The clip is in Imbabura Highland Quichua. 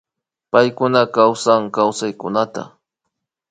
Paykuna kawsan Kawsankuna